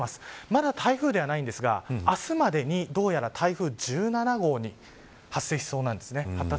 まだ台風ではないんですが明日までに、どうやら台風１７号発達しそうなんです。